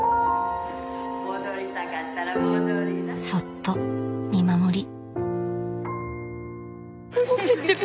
そっと見守り。